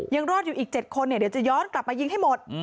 ยังรอดอยู่อีก๗คนเดี๋ยวจะย้อนกลับมายิงให้หมด